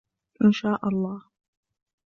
إن شاء الله.